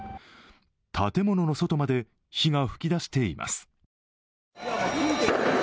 建物の外まで火が噴き出しています。